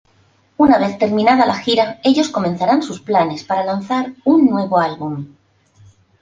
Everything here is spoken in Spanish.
Una vez terminada la gira, ellos comenzaran sus planes para lanzar una nuevo álbum.